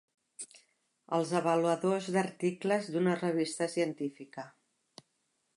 Els avaluadors d'articles d'una revista científica.